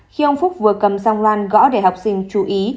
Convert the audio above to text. khi ông phúc vừa cầm sang loan gõ để học sinh chú ý